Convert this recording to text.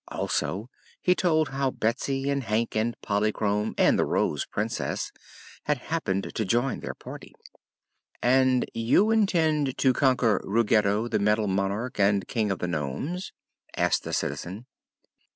Also he told how Betsy and Hank and Polychrome and the Rose Princess had happened to join their party. "And you intended to conquer Ruggedo, the Metal Monarch and King of the Nomes?" asked the Citizen.